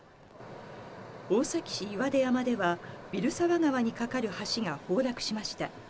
大崎市岩出山では、蛭沢川に架かる橋が崩落しました。